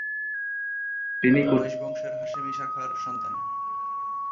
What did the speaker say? তিনি কুরাইশ বংশের হাশেমি শাখার সন্তান।